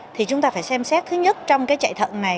thì chúng ta phải xem xét thứ nhất trong cái chạy thận này